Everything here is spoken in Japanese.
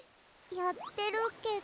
やってるけど。